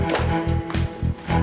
gak akan kecil